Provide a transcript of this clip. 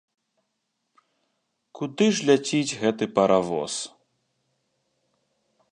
Куды ж ляціць гэты паравоз?